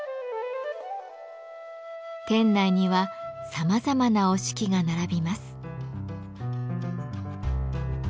店内にはさまざまな折敷が並びます。